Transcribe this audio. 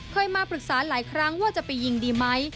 เคยมาปรึกษาหลายครั้งว่าจะไปยิงดีไหม